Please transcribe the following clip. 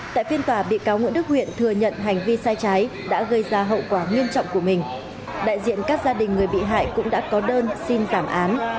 tại phiên tòa bị cáo nguyễn đức huyện thừa nhận hành vi sai trái đã gây ra hậu quả nghiêm trọng của mình đại diện các gia đình người bị hại cũng đã có đơn xin giảm án